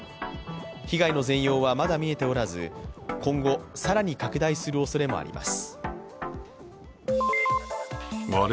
被害の全容はまだ見えておらず今後更に拡大するおそれもあります。